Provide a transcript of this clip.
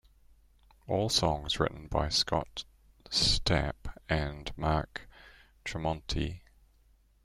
All songs written by Scott Stapp and Mark Tremonti.